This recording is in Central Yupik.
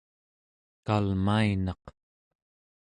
kalmainaq